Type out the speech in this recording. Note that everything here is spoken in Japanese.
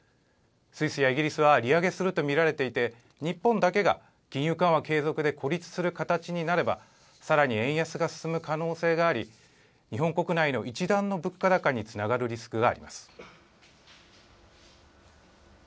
スイスやイギリスは利上げすると見られていて、日本だけが金融緩和継続で孤立する形になれば、さらに円安が進む可能性があり、日本国内の一段の物価高につながるリスクがあります。